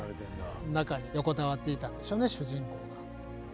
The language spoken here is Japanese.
中に横たわっていたんでしょうね主人公が。